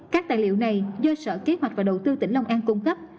các tài liệu này do sở kế hoạch và đầu tư tỉnh long an cung cấp